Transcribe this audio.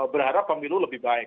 berharap pemilu lebih baik